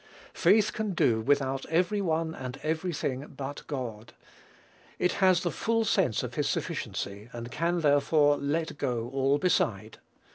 Faith can do without every one and every thing but God. It has the full sense of his sufficiency, and can, therefore, let go all beside.